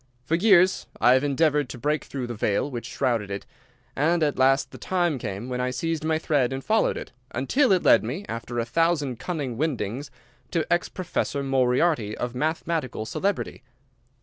For years I have endeavoured to break through the veil which shrouded it, and at last the time came when I seized my thread and followed it, until it led me, after a thousand cunning windings, to ex Professor Moriarty of mathematical celebrity.